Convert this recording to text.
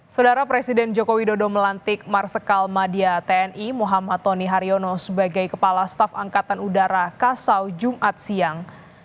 saudara presiden joko widodo melantik marsikal madia tni muhammad tony haryono sebagai kepala staf angkatan udara kasau jumat siang